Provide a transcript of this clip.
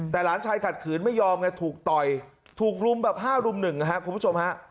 แต่หลานชายขัดขืนไม่ยอมไงถูกต่อยถูกรุมแบบ๕รุม๑นะครับคุณผู้ชมฮะ